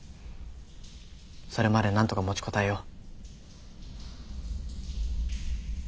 それまでなんとか持ちこたえよう。